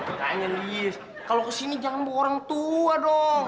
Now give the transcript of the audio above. makanya lies kalau kesini jangan bawa orang tua dong